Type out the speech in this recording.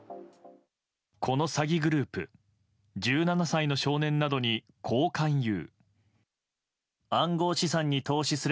この詐欺グループ１７歳の少年などに、こう勧誘。